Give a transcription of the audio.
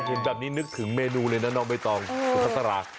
เห็นแบบนี้นึกถึงเมนูเลยนะน้องไม่ต้องภักษณะ